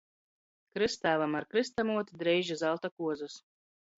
Krystāvam ar krystamuoti dreiži zalta kuozys.